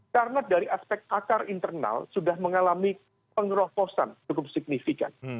karena dari aspek akar internal sudah mengalami pengerohkosan cukup signifikan